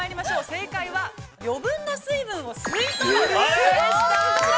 正解は、余分な水分を吸いとる、でした！